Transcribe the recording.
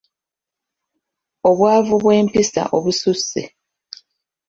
Obwavu bw’empisa obususse.